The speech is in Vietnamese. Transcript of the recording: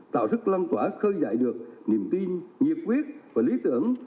tạo sức lăng quả khơi dạy được niềm tin nhiệt quyết và lý tưởng